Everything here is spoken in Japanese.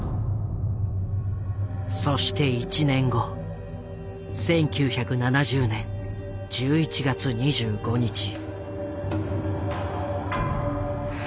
そして１年後１９７０年１１月２５日。